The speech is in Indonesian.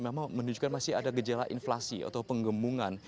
memang menunjukkan masih ada gejala inflasi atau penggemungan